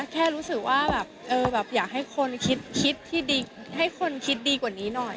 แค่รู้สึกว่าอยากให้คนคิดดีกว่านี้หน่อย